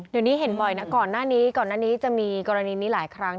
เดี๋ยวนี้เห็นบ่อยนะก่อนหน้านี้จะมีกรณีนี้หลายครั้ง